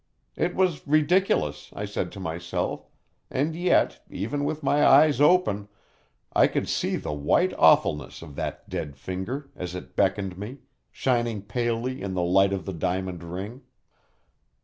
It was ridiculous, I said to myself, and yet, even with my eyes open, I could see the white awfulness of that dead finger, as it beckoned me, shining palely in the light of the diamond ring.